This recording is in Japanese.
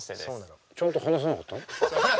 ちゃんと話さなかったの？